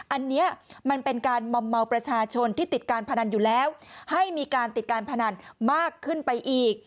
อันนี้มันเป็นการมอมเมาประชาชนที่ติดการพนันอยู่แล้วให้มีการติดการพนันมากขึ้นไปอีก